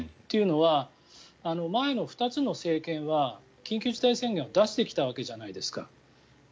というのは、前の２つの政権は緊急事態宣言を出してきたわけじゃないですか。